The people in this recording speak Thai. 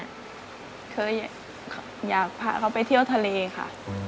เคยอยากพาเขาไปเที่ยวทะเลค่ะ